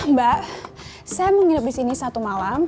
mbak saya mau ngidup disini satu malam